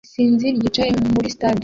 Isinzi ryicaye muri stade